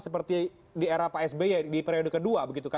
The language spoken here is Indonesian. seperti di era pak sby di periode ke dua